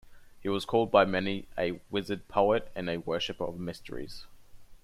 He was called by many a "wizard poet" and a "worshipper of mysteries".